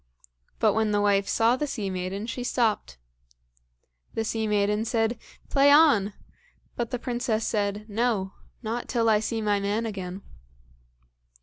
But when the wife saw the sea maiden she stopped. The sea maiden said, "Play on!" but the princess said, "No, not till I see my man again."